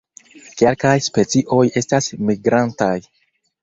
Kelkaj specioj estas migrantaj.